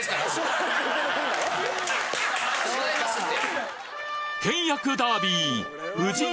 違いますんで。